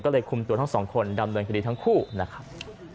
ก็เลยคุมตัวทั้งสองคนดำเนินคดีทั้งคู่นะครับ